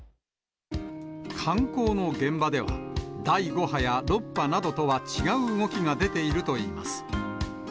観光の現場では、第５波や６波などとは違う動きが出ているといいます。